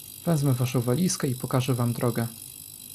"Wezmę waszą walizkę i pokażę wam drogę."